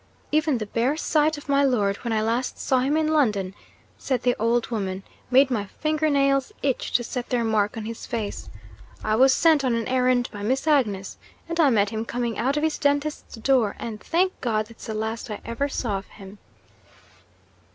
'Even the bare sight of my lord, when I last saw him in London,' said the old woman, 'made my finger nails itch to set their mark on his face. I was sent on an errand by Miss Agnes; and I met him coming out of his dentist's door and, thank God, that's the last I ever saw of him!'